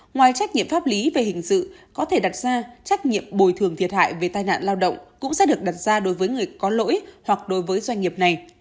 ngoài trách nhiệm pháp lý về hình sự có thể đặt ra trách nhiệm bồi thường thiệt hại về tai nạn lao động cũng sẽ được đặt ra đối với người có lỗi hoặc đối với doanh nghiệp này